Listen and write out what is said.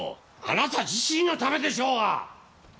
あなた自身のためでしょうが！